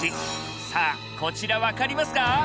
さあこちら分かりますか？